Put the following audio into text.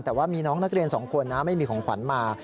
แต่ว่ามีน้องนักเรียนสองคนนะไม่มีของขวัญมา